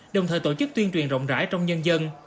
đồng thời tổ chức tuyên truyền rộng rãi trong nhân dân